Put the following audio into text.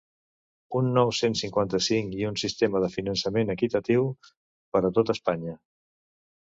Un nou cent cinquanta-cinc i un sistema de finançament ‘equitatiu per a tot Espanya’